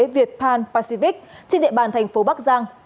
viet pan pacific trên địa bàn thành phố bắc giang